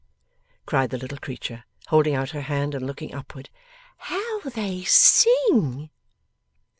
cried the little creature, holding out her hand and looking upward, 'how they sing!